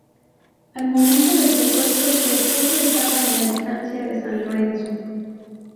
Al momento del secuestro su esposo estaba en la estancia de San Lorenzo.